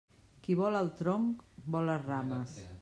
Qui vol el tronc, vol les rames.